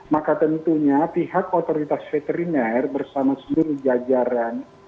maka tentunya pihak otoritas veteriner bersama seluruh jajaran